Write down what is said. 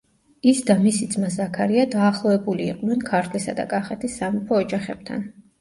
ის და მისი ძმა ზაქარია დაახლოებული იყვნენ ქართლისა და კახეთის სამეფო ოჯახებთან.